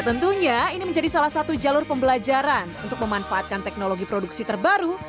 tentunya ini menjadi salah satu jalur pembelajaran untuk memanfaatkan teknologi produksi terbaru